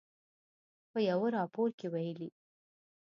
په یوه راپور کې ویلي